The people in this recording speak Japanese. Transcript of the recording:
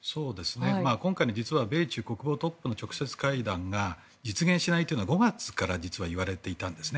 今回、実は米中国防トップの直接会談が実現しないというのは５月からいわれていたわけです。